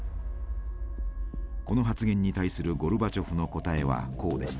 この発言に対するゴルバチョフの答えはこうでした。